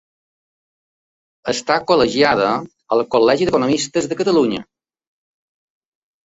Està col·legiada al Col·legi d’Economistes de Catalunya.